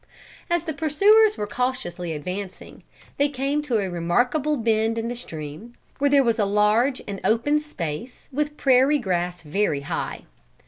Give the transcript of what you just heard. As the pursuers were cautiously advancing, they came to a remarkable bend in the stream, where there was a large and open space, with prairie grass very high.